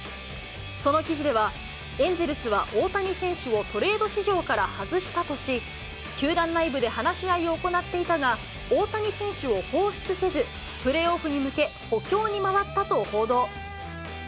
その記事では、エンゼルスは大谷選手をトレード市場から外したとし、球団内部で話し合いを行っていたが、大谷選手を放出せず、プレーオフに向け、補強に回ったと報道。